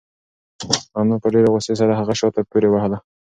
انا په ډېرې غوسې سره هغه شاته پورې واهه.